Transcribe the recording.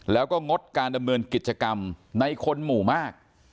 แล้วก็งดการดำเนินกิจกรรมในคนหมู่มาก